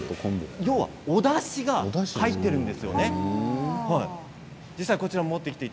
要はおだしが入っているんです。